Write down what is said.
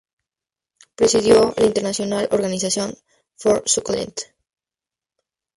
Presidió la International Organization for Succulent.